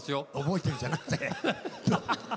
覚えてるじゃなくて。